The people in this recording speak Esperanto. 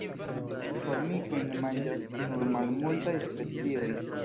Formikojn manĝas nur malmultaj specioj.